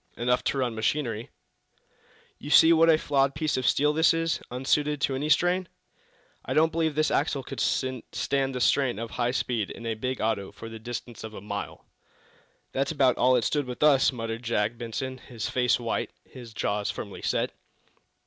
"Enough to run machinery." "You see what a flawed piece of steel this is unsuited to any strain? I don't believe this axle could stand the strain of high speed in a big auto for the distance of a mile." "That's about all it stood with us," muttered Jack Benson, his face white, his jaws firmly set.